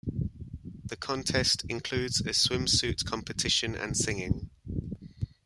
The contest includes a swimsuit competition and singing.